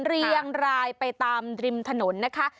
เรียงรายไปตามริมถนนนะคะ